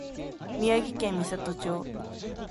宮城県美里町